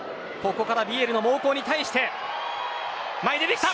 ここからヴィエルの猛攻に対して前に出た。